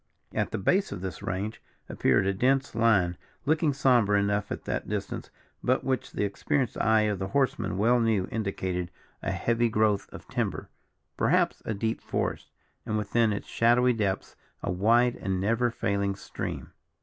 At the base of this range appeared a dense line, looking sombre enough at that distance, but which the experienced eye of the horseman well knew indicated a heavy growth of timber perhaps a deep forest, and, within its shadowy depths, a wide and never failing stream.